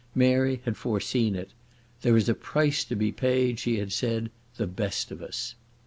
Mary had foreseen it. "There is a price to be paid," she had said—"the best of us."